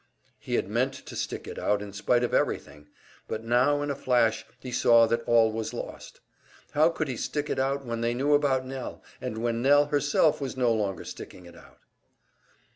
He had meant to stick it out in spite of everything; but now in a flash he saw that all was lost. How could he stick it out when they knew about Nell, and when Nell, herself, was no longer sticking it out?